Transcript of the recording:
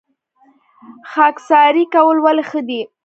خاکساري کول ولې ښه دي؟